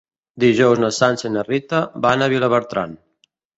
Dilluns na Sança i na Rita van a Vilabertran.